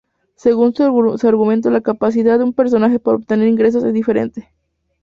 Según su argumento, la capacidad de una persona para obtener ingresos es diferente.